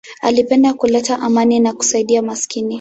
Alipenda kuleta amani na kusaidia maskini.